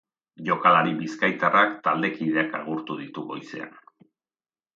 Jokalari bizkaitarrak taldekideak agurtu ditu goizean.